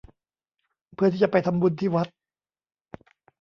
เพื่อที่จะไปทำบุญที่วัด